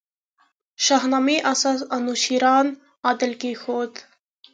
شاهنامې اساس انوشېروان عادل کښېښود.